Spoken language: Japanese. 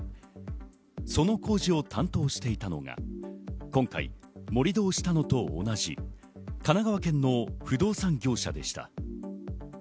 その工事を担当していたのが今回、盛り土をしたのと同じ、神奈川県の不動産業者でした。